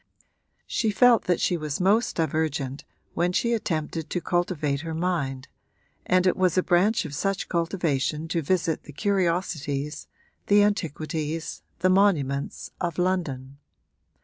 She felt that she was most divergent when she attempted to cultivate her mind, and it was a branch of such cultivation to visit the curiosities, the antiquities, the monuments of London.